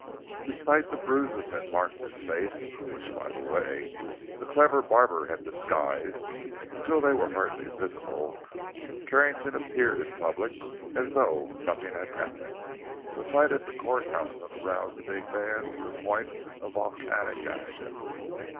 Despite the bruises that marked his face (which, by the way, a clever barber had disguised until they were hardly visible) Carrington appeared in public as though nothing had happened. The fight at the courthouse had aroused the big man to the point of volcanic action.